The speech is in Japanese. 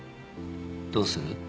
どうする？